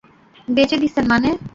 বেচে দিছেন মানে?